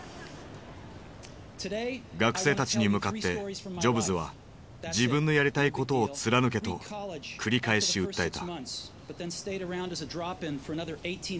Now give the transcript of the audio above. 学生たちに向かってジョブズは「自分のやりたいことを貫け」と繰り返し訴えた。